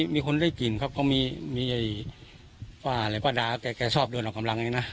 มีคนได้กลิ่นครับเขามีป้าอะไรป้าดาแกชอบเดินออกกำลังเองนะ